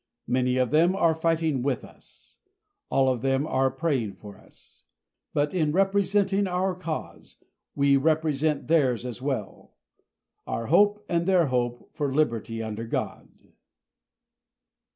Many of them are fighting with us. All of them are praying for us. But, in representing our cause, we represent theirs as well our hope and their hope for liberty under God.